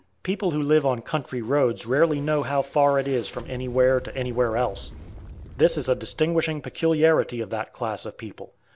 People who live on country roads rarely know how far it is from anywhere to anywhere else. This is a distinguishing peculiarity of that class of people.